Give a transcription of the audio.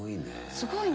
すごいね。